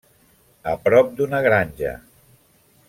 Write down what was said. A prop d'una granja.